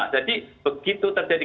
jadi begitu terjadi